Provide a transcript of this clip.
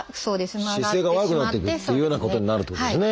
姿勢が悪くなってくるというようなことになるってことですね。